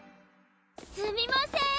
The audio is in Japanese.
すみませーん！